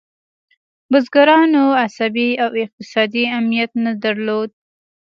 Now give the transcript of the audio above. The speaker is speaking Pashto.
بزګرانو عصبي او اقتصادي امنیت نه درلود.